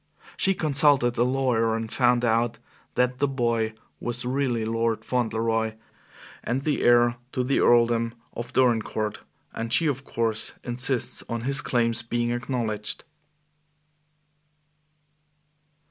She consulted a lawyer and found out that the boy was really Lord Fauntleroy and the heir to the earldom of Dorincourt; and she, of course, insists on his claims being acknowledged."